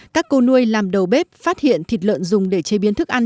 các cô nuôi làm đầu bếp phát hiện thịt lợn dùng để chế biến thức ăn